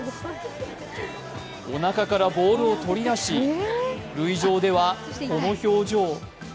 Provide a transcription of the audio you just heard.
おなかからボールを取りだし、塁上ではこの表情。